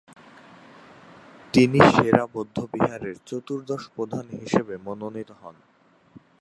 তিনি সেরা বৌদ্ধবিহারের চতুর্দশ প্রধান হিসেবে মনোনীত হন।